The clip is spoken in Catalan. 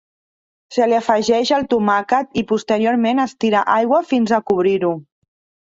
Se li afegeix el tomàquet i posteriorment es tira aigua fins a cobrir-ho.